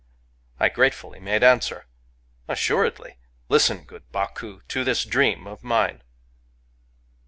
I gratefully made answer: — "Assuredly! ... Listen, good BcHcu, to this dream of mine